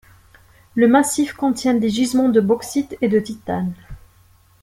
Le massif contient des gisements de bauxite et de titane.